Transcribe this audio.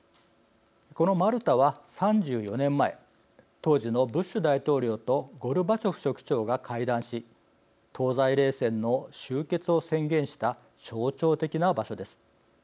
このマルタは３４年前当時のブッシュ大統領とゴルバチョフ書記長が会談し東西冷戦の終結を宣言した象徴的な場所です。